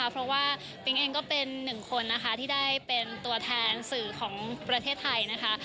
เพราะว่าเป็นกิจกรรมนึงคนที่ได้เป็นตัวแทนสื่อของประเทศไทย